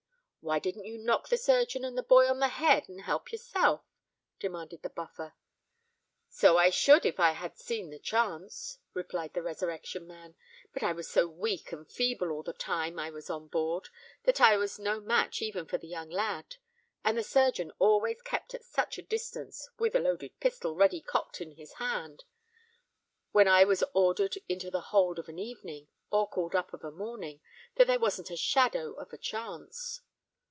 "Why didn't you knock the surgeon and the boy on the head, and help yourself?" demanded the Buffer. "So I should if I had seen a chance," replied the Resurrection Man; "but I was so weak and feeble all the time I was on board, that I was no match even for the young lad; and the surgeon always kept at such a distance, with a loaded pistol ready cocked in his hand, when I was ordered into the hold of an evening, or called up of a morning, that there wasn't a shadow of a chance.